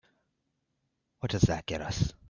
What does that get us?